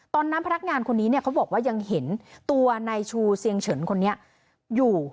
ตอนนั้นพนักงานคนนี้เนี่ยเขาบอกว่ายังเห็นตัวนายชูเสียงเฉินคนนี้อยู่